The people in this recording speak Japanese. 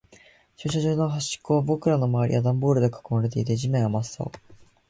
駐車場の端っこ。僕らの周りはダンボールで囲われていて、地面は真っ青。